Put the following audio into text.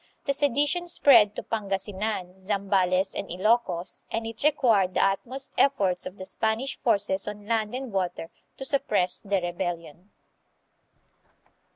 The sedition spread to Pangasinan, Zambales, and Ilokos, and it re quired the utmost efforts of the Spanish forces on land and water to suppress the rebellion.